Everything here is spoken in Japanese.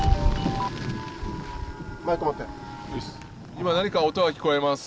今、何か音が聞こえます。